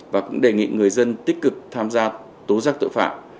và cũng đề nghị người dân tích cực tham gia tố giác tội phạm